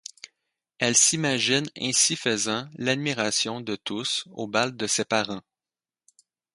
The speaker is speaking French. Elle s'imagine ainsi faisant l'admiration de tous au bal de ses parents.